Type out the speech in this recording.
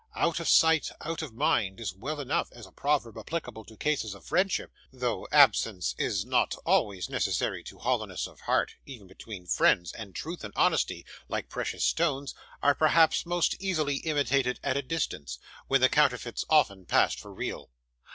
'Out of sight, out of mind,' is well enough as a proverb applicable to cases of friendship, though absence is not always necessary to hollowness of heart, even between friends, and truth and honesty, like precious stones, are perhaps most easily imitated at a distance, when the counterfeits often pass for real.